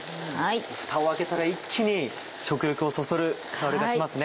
ふたを開けたら一気に食欲をそそる香りがしますね。